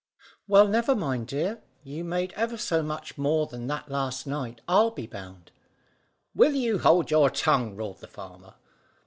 "Well, never mind, dear. You made ever so much more than that last night, I'll be bound!" "Will you hold your tongue?" roared the farmer.